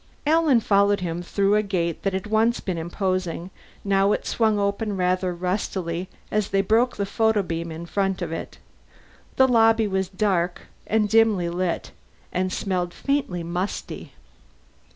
Alan followed him through a gate that had once been imposing; now it swung open rather rustily as they broke the photobeam in front of it. The lobby was dark and dimly lit, and smelled faintly musty.